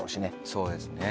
そうですね。